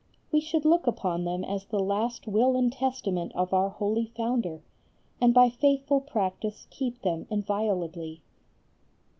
We should look upon them as the last will and testament of our holy Founder, and by faithful practice keep them inviolably.